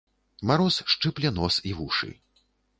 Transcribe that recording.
Мароз шчыпле нос і вушы.